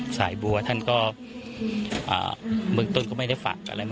สายบัวท่านก็เบื้องต้นก็ไม่ได้ฝากอะไร